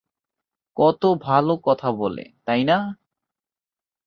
কতো ভাল কথা বলে, তাই না?